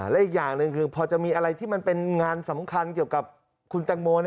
และอีกอย่างหนึ่งคือพอจะมีอะไรที่มันเป็นงานสำคัญเกี่ยวกับคุณแตงโม